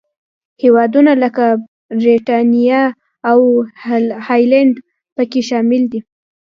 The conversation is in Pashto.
هېوادونه لکه برېټانیا او هالنډ پکې شامل دي.